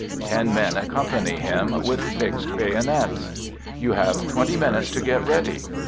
Ten men accompany him, with fixed bayonets. ..." You have twenty minutes to get ready."